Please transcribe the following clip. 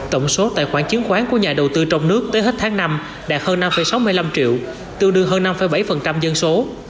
tổng số tài khoản chứng khoán của nhà đầu tư trong nước tới hết tháng năm đạt hơn năm sáu mươi năm triệu tương đương hơn năm bảy dân số